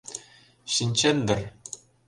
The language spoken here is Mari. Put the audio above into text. Шинчет дыр?